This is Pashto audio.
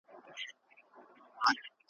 چي به خان کله سورلۍ ته وو بېولی ,